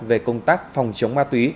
về công tác phòng chống ma túy